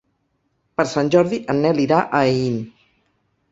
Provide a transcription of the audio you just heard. Per Sant Jordi en Nel irà a Aín.